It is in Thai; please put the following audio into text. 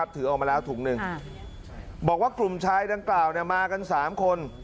ถือออกมาแล้วถุงหนึ่งบอกว่ากลุ่มชายดังกล่าวมากัน๓คน